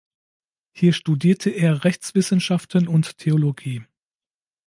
Hier studierte er Rechtswissenschaften und Theologie.